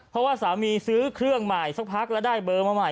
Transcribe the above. เพราะว่าสามีซื้อเครื่องใหม่สักพักแล้วได้เบอร์มาใหม่